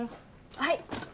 はい。